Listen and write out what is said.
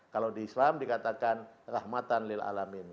kalau di islam dikatakan rahmatan lil'alamin